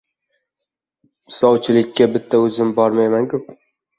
—Sovchilikka bitta o‘zim bormayman-ku.